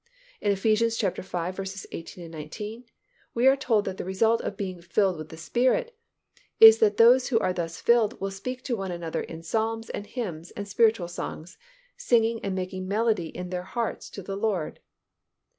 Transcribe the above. In Eph. v. 18, 19, we are told that the result of being filled with the Spirit is that those who are thus filled will speak to one another in psalms and hymns and spiritual songs, singing and making melody in their hearts to the Lord.